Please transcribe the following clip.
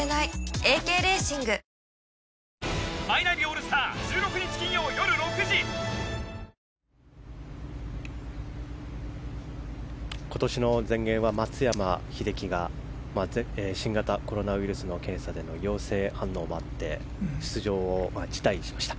立ったそれが東京海上日動今年の全英は松山英樹が新型コロナウイルスの検査での陽性反応もあって出場を辞退しました。